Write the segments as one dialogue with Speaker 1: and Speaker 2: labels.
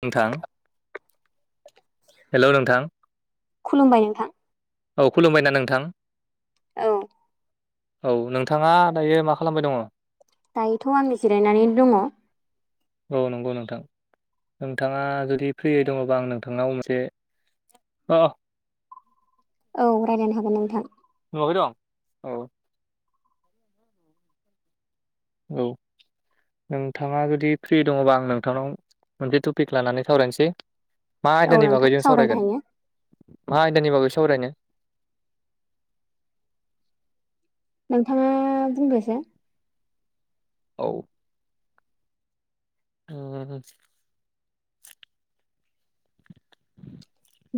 Speaker 1: नोंथां हेलौ नोंथां
Speaker 2: खुलुमबाय नोंथां
Speaker 1: औ खुलुमबायना नोंथां
Speaker 2: औ
Speaker 1: औ नोंथाङा दायो मा खालामबाय दङ?
Speaker 2: दायोथ' आंनि जिरायनानै दङ।
Speaker 1: औ नंगौ नोंथां नोंथाङा जुदि फ्रियै दङबा आं नोंथांनाव मोनसे ओ
Speaker 2: औ रालायनो हागोन नोंथां।
Speaker 1: नयावहाय दं औ औ नोंथाङा जुदि फ्रि दङबा आं नोंथांनाव मोनसे टपिक लानानै सावरायनोसै। मा
Speaker 2: औ
Speaker 1: आयदानि
Speaker 2: नोंथां
Speaker 1: बागै जों
Speaker 2: सावरायनो
Speaker 1: सावरायगोन
Speaker 2: हायो
Speaker 1: मा आयदानि बागै? सावरायनो?
Speaker 2: नोंथाङा बुंदोसाय।
Speaker 1: औ ओ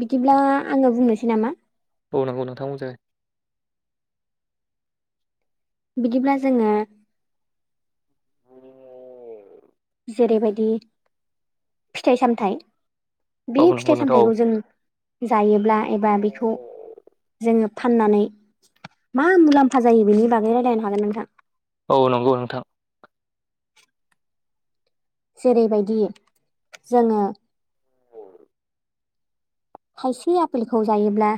Speaker 2: बिदिब्ला आङो बुंनोसै नामा?
Speaker 1: अ नंगौ नोंथांमोनजों
Speaker 2: बिदिब्ला जोङो जेरैबायदि फिथाइ सामथायाइ बे
Speaker 1: औ नंगौ
Speaker 2: फिथाइ
Speaker 1: नोंथां
Speaker 2: सामथायाइखौ जों जायोब्ला एबा बेखौ जोङो फाननानै मा मुलाम्फा जायो बेनि बागै राय्लायनो हागोन नोंथां।
Speaker 1: औ नंगौ नोंथां
Speaker 2: जेरैबायदि जोङो खायसे आफेलखौ जायोब्ला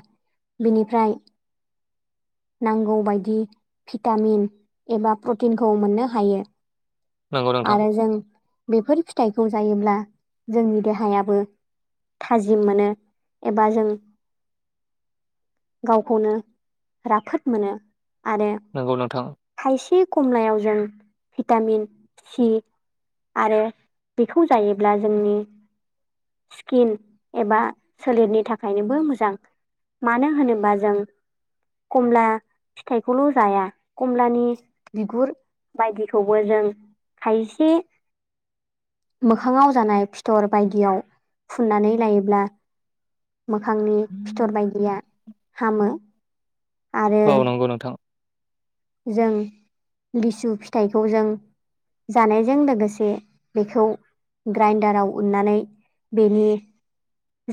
Speaker 2: बिनिफ्राय नांगौ बायदि भिटामिन एबा प्रटिनखौ मोननो हायो।
Speaker 1: नंगौ नोंथां
Speaker 2: आरो जों बेफोर फिथाइखौ जायोब्ला जोंनि देहायाबो थाजिम मोनो एबा जों गावखौनो राफोद मोनो। आरो
Speaker 1: नंगौ नोंथां
Speaker 2: थायसे खमलायाव जों भिटामिन सि आरो बेखौ जायोब्ला जोंनि स्किन एबा सोलेरनि थाखायनोबो मोजां। मानो होनोबा जों कमला फिथाइखौल' जाया कमलानि बिगुर बायदिखौबो जों खायसे मोखाङाव जानाय फिथर बायदियाव फुननानै लायोब्ला मोखांनि फिथर बायदिया हामो। आरो
Speaker 1: औ नंगौ नोंथां
Speaker 2: जों लिसु फिथाइखौ जों जानायजों लोगोसे बेखौ ग्राइनदाराव उननानै बेनि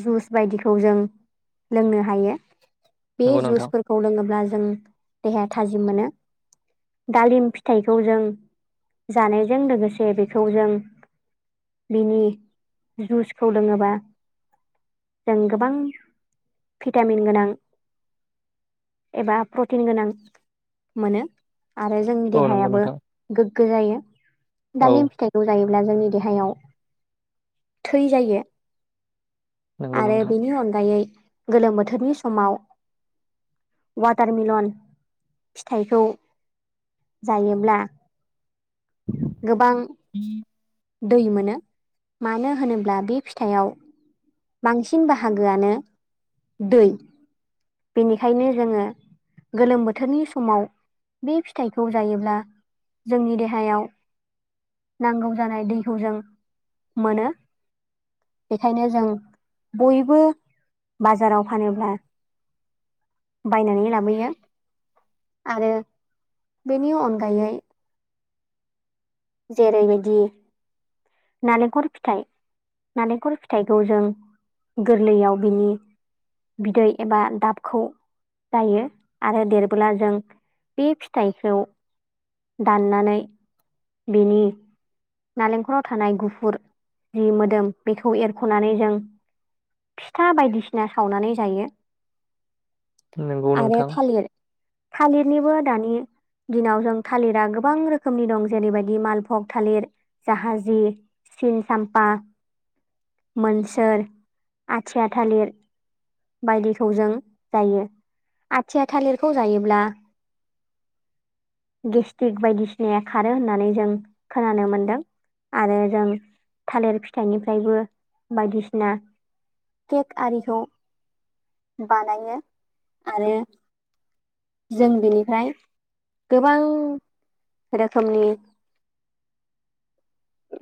Speaker 2: जुस बायदिखौ जों लोंनो हायो। बे
Speaker 1: नंगौ नोंथां
Speaker 2: जुइसफोरखौ लोङोब्ला जों देहाया थाजिम मोनो। दालिम फिथाइखौ जों जानायजों लोगोसे बेखौ जों बिनि जुसखौ लोङोबा जों गोबां भिटामिन गोनां एबा प्रटिन गोनां मोनो आरो जोंनि
Speaker 1: औ नंगौ
Speaker 2: देहायाबो
Speaker 1: नोंथां
Speaker 2: गोग्गो जायो
Speaker 1: औ
Speaker 2: दालिम फिथाइखौ जायो ब्ला जोंनि देहायाव थै जायो।
Speaker 1: नंगौ
Speaker 2: आरो
Speaker 1: नोंथां
Speaker 2: बेनि अनगायै गोलोम बोथोरनि समाव वाटार मिलन फिथाइखौ जायोब्ला गोबां दै मोनो मानो होनोब्ला बे फिथाइयाव बांसिन बाहागोआनो दै। बेनिखायनो जोङो गोलोम बोथोरनि समाव बे फिथाइखौ जायोब्ला जोंनि देहायाव नांगौ जानाय दैखौ जों मोनो। बेखायनो जों बयबो बाजाराव फानोब्ला बायनानै लाबोयो। आरो बेनि अनगायै जेरैबायदि नालेंखर फिथाइ नालेंखल फिथाइखौ जों गोरलैयाव बिनि बिदै एबा दाबखौ जायो आरो देरबोला जों बे फिथाइखौ दाननानै बिनि नालेंखराव थानाय गुफुर जि मोदोम बेखौ एरख'नानै जों फिथा बायदिसिना सावनानै जायो।
Speaker 1: नंगौ
Speaker 2: आरो
Speaker 1: नोंथां।
Speaker 2: थालिर थालिरनिबो दानि दिनाव जों थालिरा गोबां रोखोमनि दं। जेरैबायदि मालफग थालिर जाहाजि सिन साम्फा। मोनसोर आथिया थालिर बायदिखौ जों जायो आथिया थालिरखौ जायोब्ला गेस्ट्रिक बायदिसिनाया खारो होननानै जों खोनानो मोनदों। आरो जों थालिर फिथाइनिफ्रायबो बायदिसिना केक आरिखौ बानायो आरो जों बिनिफाय गोबां रोखोमनि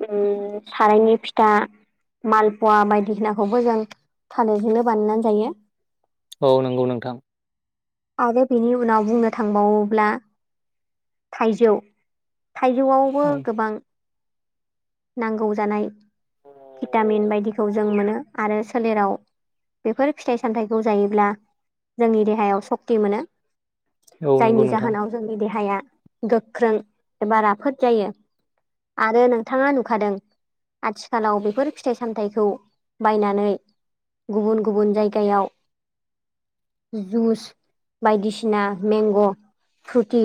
Speaker 2: ओम सारायनि फिथा। मालपवा बायदिसिनाखौबो जों फानैजोंनो बानायनानै जायो।
Speaker 1: औ नंगौ नोंथां।
Speaker 2: आरो बिनि उनाव बुंनो थांबावोब्ला थाइजौ। थाइजौआवबो
Speaker 1: औ।
Speaker 2: गोबां नांगौ जानाय भिटामिन बायदिखौ जों मोनो आरो सोलेराव बेफोर फिथाइ सामथायाइखौ जायोब्ला जोंनि देहायाव सक्ति मोनो।
Speaker 1: औ नंगौ
Speaker 2: जायनि
Speaker 1: नोंथां
Speaker 2: जाहोनाव जोंनि देहाया गोख्रों एबा राफोद जायो आरो नों नोंथाङा नुखादों आथिखालाव बेफोर फिथाइ सामथायाइखौ बायनानै गुबुन गुबुन जायगायाव जुस बायदिसिना मेंग' फ्रुति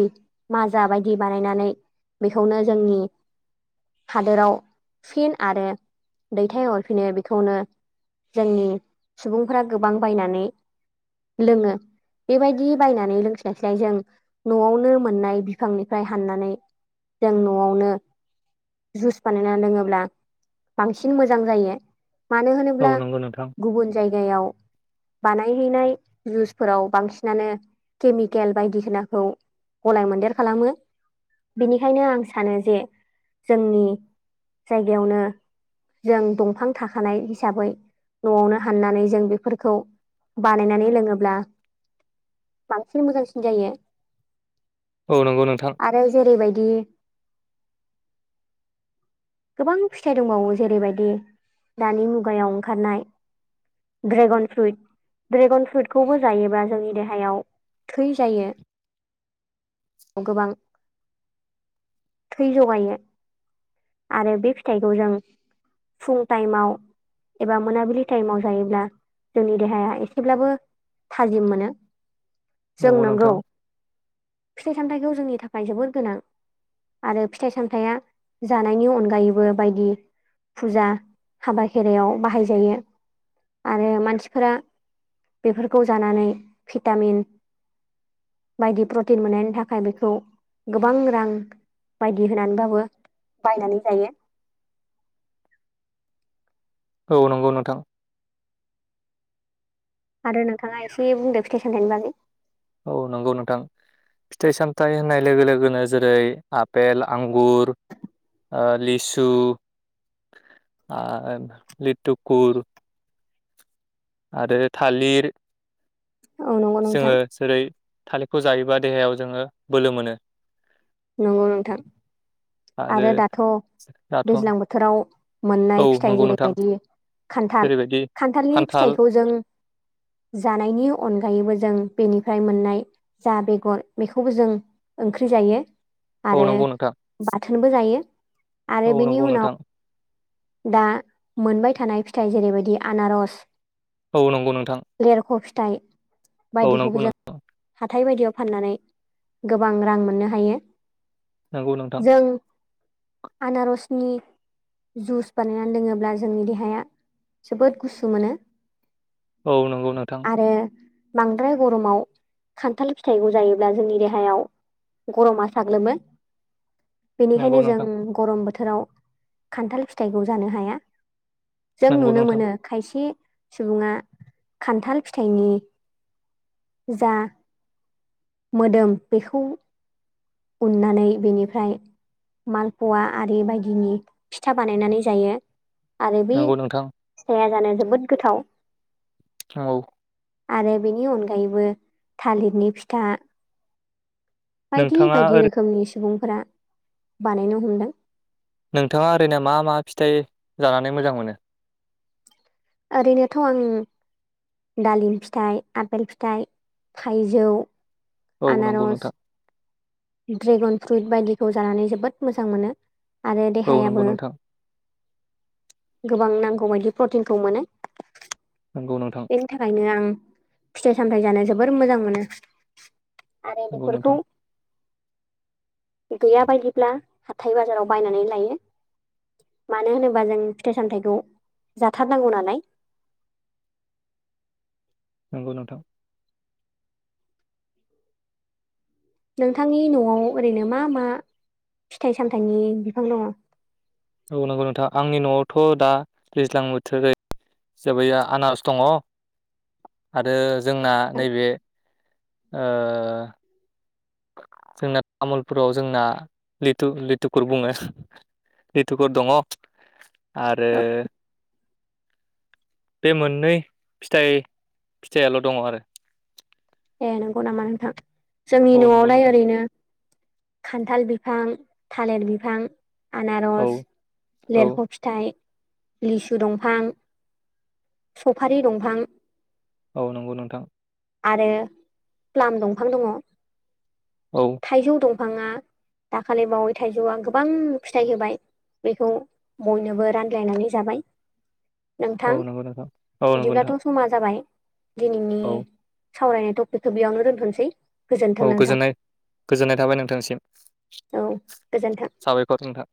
Speaker 2: माजा बायदि बानायनानै बेखौनो जोंनि। हादोराव फिन आरो दैथायहरफिनो बिखौनो जोंनि सुबुंफोरा गोबां बायनानै लोङो। बेबायदि बायनानै लोंस्लायस्लाय जों न'आवनो मोननाय बिफांनिफ्राय हाननानै जों न'आवनो जुस बानायना लोङोब्ला बांसिन मोजां जायो। मानो
Speaker 1: औ
Speaker 2: होनोब्ला
Speaker 1: नंगौ नोंथां
Speaker 2: गुबुन जायगायाव बानायहैनाय जुसफोराव बांसिनानो केमिकेल बायदिसिनाखौ गलाय मोनदेर खालामो बिनिखायनो आं सानो जे जोंनि जायगायावनो। जों दंफां थाखानाय हिसाबै न'आवनो हाननानै जों बेफोरखौ। बानायनानै लोङोब्ला बांसिन मोजांसिन जायो।
Speaker 1: औ नंगौ नोंथां
Speaker 2: आरो जेरैबायदि।
Speaker 1: [inaudible]
Speaker 2: गोबां फिथाइ दोंबावो जेरैबायदि दानि मुगायाव ओंखारनाय। Dragon fruit. ड्रेगन फ्रुइटखौबो जायोबा जोंनि देहायाव थै जायो। गोबां थै जगायो। आरो बे फिथाइखौ जों फुं टाइमाव। एबा मोनाबिलि टाइमाव जायोब्ला जोंनि देहाया एसेब्लाबो। थाजिम मोनो जों
Speaker 1: नंगौ
Speaker 2: नोंगौ
Speaker 1: नोंथां
Speaker 2: फिथाइ सामथाइखौ। जोंनि थाखाय जोबोद गोनां आरो फिथाइ सामथाइया। जानायनि अनगायैबो बायदि। फुजा हाबा खेरायाव बाहायजायो आरो मानसिफोरा। बेफोरखौ जानानै भिटामिन। बायदि प्रटिन मोननायनि थाखाय बेखौ गोबां रां। बायदि होनानैबाबो बायनानै जायो।
Speaker 1: औ नंगौ नोंथां।
Speaker 2: आरो नोंथाङा एसे बुंदो फिथाइ सामथायाइनि बागै।
Speaker 1: औ नंगौ नोंथां। फिथाइ सामथाइ होननाय लोगो लोगोनो जेरै आफपेल आंगुर। ओ लिसु आर लिटुकुर। आरो थालिर
Speaker 2: औ नंगौ नोंथां
Speaker 1: जोङो जेरै। थालिरखौ जायोबा देहायाव जोङो बोलो मोनो।
Speaker 2: नंगौ नोंथां आरो दाथ'
Speaker 1: दाथ'
Speaker 2: दैज्लां बोथोराव।
Speaker 1: औ
Speaker 2: मोननाय फिथाइ
Speaker 1: नंगौ नोंथां
Speaker 2: जेरैबायदि खान्थाल
Speaker 1: जेरैबायदि
Speaker 2: खान्थालनि
Speaker 1: खान्थाल
Speaker 2: फिथाइखौ जों जानायनि अनगायैबो जों बेनिफ्राय मोननाय जा बेगर बेखौबो जों ओंख्रि जायो।
Speaker 1: औ
Speaker 2: आरो
Speaker 1: नंगौ नोंथां
Speaker 2: बाथोनबो जायो
Speaker 1: औ
Speaker 2: आरो बेनि
Speaker 1: नंगौ
Speaker 2: उनाव
Speaker 1: नोंथां
Speaker 2: दा मोनबाय थानाय फिथाइ जेरैबायदि आनारस
Speaker 1: औ नंगौ नोंथां
Speaker 2: दाइ
Speaker 1: औनांग न
Speaker 2: हाथथाय बायदियाव फाननानै गोबां रां मोननो हायो।
Speaker 1: नंगौ नोंथां।
Speaker 2: जों आनारसनि जुस बानायनानै दोङोब्ला जोंनि देहाया जोबोद गुसु मोनो।
Speaker 1: औ नंगौ नोंथां।
Speaker 2: आरो बांद्राय गरमाव खान्थाल फिथाइखौ जायोब्ला जोंनि देहायाव गरमा। थाग्लो
Speaker 1: नंगौ
Speaker 2: बेनिखायनो जों
Speaker 1: नोंथां
Speaker 2: गरम बोथोराव। बोथोराव खान्थाल फिथाइखौ जानो हाया जों
Speaker 1: नंगौ
Speaker 2: नुनो
Speaker 1: नोंथां
Speaker 2: मोनो खायसे सुबुङा खान्थाल फिथाइनि जा मोदोम बेखौ उननानै बेनिफ्राय मालपवा आरि बायदिनि फिथा बानायनानै जायो आरो बे
Speaker 1: नंगौ नोंथां
Speaker 2: फिथाइआ जानो जोबोद गोथाव।
Speaker 1: औ।
Speaker 2: आरो बेनि अनगायैबो थालिरनि फिथा बायदि
Speaker 1: नोंथाङा
Speaker 2: बायदि
Speaker 1: ओरै
Speaker 2: रोखोमनि सुबुंफोरा बानायनो हमदों
Speaker 1: नोंथाङा ओरैनो मा मा फिथाइ जानानै मोजां मोनो।
Speaker 2: ओरैनोथ' आं दालिम फिथाइ आफपेल फिथाइ थाइजौ
Speaker 1: औ नंगौ
Speaker 2: आनारस
Speaker 1: नोंथां।
Speaker 2: ड्रेगन फ्रुइट बायदिखौ जानानै जोबोद मोजां मोनो आरो
Speaker 1: औ
Speaker 2: देहायाबो
Speaker 1: नंगौ नोंथां
Speaker 2: गोबां नांगौ बायदि प्रटिनखौ मोनो।
Speaker 1: नंगौ नोंथां
Speaker 2: बेनि थाखायनो आं फिथाइ सामथायाइ जानो जोबोर मोजां मोनो। आरोारनि
Speaker 1: नंगौ
Speaker 2: बरख
Speaker 1: नोंथां
Speaker 2: गैया बायदिब्ला हाथथाय बाजाराव बायनानै लायो। मानो होनोबा जों फिथाइ सामथायखौ जाथारनांगौ नालाय
Speaker 1: नंगौ नोंथां।
Speaker 2: नोंथांनि न'आव ओरैनो मा मा फिथाइ सामथायाइनि बिफां दङ।
Speaker 1: औ नंगौ नोंथां आंनि न'आवथ' दा दैज्लां बोथोर जायो। जबोैाया आनास दङ। आरो जोंना नैबे जोंना तामुलपुराव जोंना लिथु लिथुफोर बुङो। लिथुफोर दङ आरो।
Speaker 2: औ
Speaker 1: बे मोननै फिथाइ फिथाइयाल' दङ आरो
Speaker 2: ए नंगौ नामा नोंथां जोंनि
Speaker 1: औ नंगौ
Speaker 2: न'आवलाय
Speaker 1: नोंथां
Speaker 2: ओरैनो खान्थाल बिफां थालिर बिफां
Speaker 1: औ
Speaker 2: आनारस
Speaker 1: औ
Speaker 2: लिरह' फिथाइ लिसु दंफां सफारि दंफां
Speaker 1: औ नंगौ नोंथां।
Speaker 2: आरो प्लाम दंफां दङ
Speaker 1: औ
Speaker 2: थाइजौ दंफां
Speaker 1: [unintelligible]
Speaker 2: दाखालि बावै थाइजौआ गोबां फिथाइ होबाय बेखौ बयनोबो रानलायनानै जाबाय।
Speaker 1: औ
Speaker 2: नोंथां
Speaker 1: नंगौ नोंथां औ नंगौ नोंथां
Speaker 2: बिदिब्लाथ' समा जाबाय। दिनैनि
Speaker 1: औ
Speaker 2: सावरायनाय टपिकखौ बेयावनो दोनथ'सै
Speaker 1: औ गोजोननाय गोजोननाय थाबाय नोंथांसिम
Speaker 2: औ गोजोन्थों।
Speaker 1: साबायखर नोंथां।